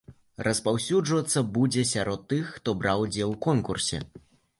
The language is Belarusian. Распаўсюджвацца будзе сярод тых, хто браў удзел у конкурсе.